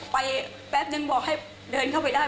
แป๊บนึงบอกให้เดินเข้าไปได้